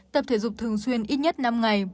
tập thể dục thường xuyên ít nhất năm ngày